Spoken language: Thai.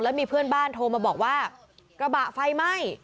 มีเพื่อนบ้านโทรมาบอกว่ากระบะไฟไหม้